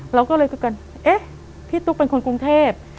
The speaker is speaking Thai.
เราก็เลยเอ๊ะพี่ตุ๊กเป็นคนกรุงเทพ